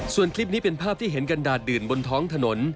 ส่วนคลิปนี้เป็นภาพที่เห็นกันดาดดื่นบนท้องถนน